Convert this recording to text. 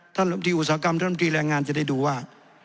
ท่านหลังที่อุตสาหกรรมท่านหลังที่แรงงานจะได้ดูว่า